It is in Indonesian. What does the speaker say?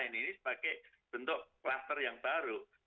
ini sebagai bentuk kluster yang baru